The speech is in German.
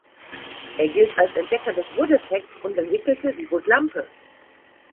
Er gilt als Entdecker des "Wood-Effektes" und entwickelte die "Wood-Lampe".